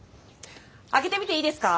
開けてみていいですか？